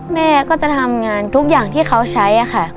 แม่ก็จะทำงานทุกอย่างที่เขาใช้ค่ะ